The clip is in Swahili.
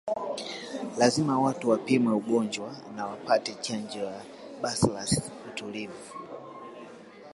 Lazima watu wapimwe ugonjwa na wapate chanjo ya bacillus utulivu